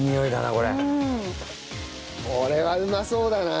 これはうまそうだなあ。